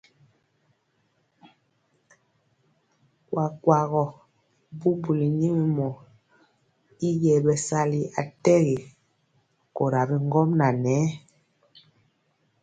Kuakuagɔ bubuli nyɛmemɔ yi yɛɛ bɛsali atɛgi kora bi ŋgomnaŋ nɛ.